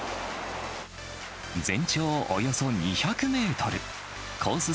全長およそ２００メートル。コース